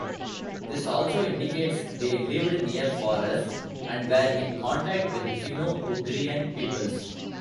This also indicates they lived near forests and were in contact with Finno-Ugrian peoples.